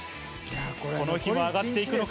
この日も上がっていくのか？